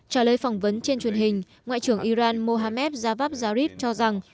trả lời phỏng vấn trên truyền hình ngoại trưởng iran mohamed javad zarif cho rằng